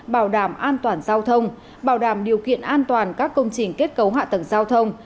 bảo đảm an toàn giao thông bảo đảm điều kiện an toàn các công trình kết cấu hạ tầng giao thông